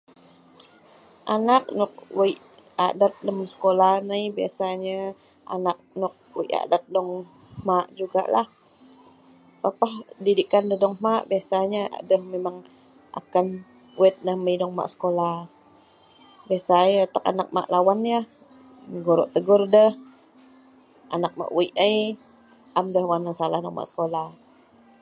𝐴𝑛𝑎𝑘 𝑛𝑜'𝑜𝑘 𝑤𝑒𝑖𝑘 𝑎𝑑𝑎𝑡 𝑙𝑒𝑚 𝑠𝑒𝑘𝑜𝑙𝑎 𝑁𝑛𝑎𝑖 , 𝑏𝑖𝑎𝑠𝑎 𝑛𝑦𝑎 𝑤𝑒𝑖𝑘 𝑎𝑑𝑎𝑡 𝑑𝑜𝑛𝑔 ℎ𝑚𝑎'𝑎 𝑗𝑢𝑔𝑎 𝑙𝑎. 𝑝𝑎'𝑝𝑎ℎ 𝑑𝑖𝑑𝑖𝑘𝑎𝑛 𝑑𝑒'𝑒ℎ 𝑑𝑜𝑛𝑔 ℎ𝑚𝑎'𝑎 𝑏𝑖𝑎𝑠𝑎 𝑛𝑦𝑎 𝑑𝑒'𝑒ℎ 𝑚𝑒𝑚𝑎𝑛𝑔 𝑤𝑒𝑡 𝑙𝑒𝑚 𝑠𝑒𝑘𝑜𝑙𝑎 𝑗𝑢𝑔𝑎. 𝐵𝑖𝑎𝑠𝑎 𝑦𝑎ℎ o'𝑡𝑎𝑘 𝑎𝑛𝑎𝑘 𝑛𝑜'𝑜𝑘 la' 𝑤𝑎𝑛 𝑎𝑖' 𝑎𝑛' 𝑔𝑜'𝑟𝑜𝑘 𝑡𝑒𝑔𝑢𝑟 𝑦𝑎ℎ. 𝐴𝑛𝑎𝑘 𝑛𝑜'𝑜𝑘 𝑤𝑒𝑖𝑘 𝑎𝑖𝑒 𝑎𝑚 𝑦𝑎ℎ 𝑤𝑎𝑛 𝑚𝑎𝑠𝑎𝑙𝑎ℎ 𝑑𝑜𝑛𝑔 𝑙𝑒𝑚 𝑠𝑒𝑘𝑜𝑙𝑎.